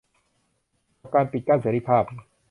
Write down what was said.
กับการปิดกั้นเสรีภาพ